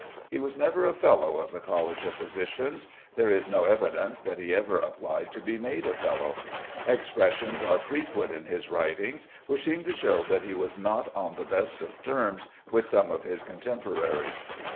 He was never a Fellow of the College of Physicians. There is no evidence that he ever applied to be made a Fellow. Expressions are frequent in his writings which seem to show that he was not on the best of terms with some of his contemporaries.